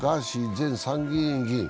前参議院議員。